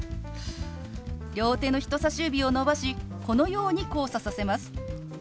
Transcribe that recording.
両手の人さし指を伸ばしこのように交差させます。